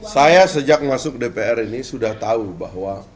saya sejak masuk dpr ini sudah tahu bahwa